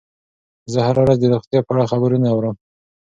زه هره ورځ د روغتیا په اړه خبرونه اورم.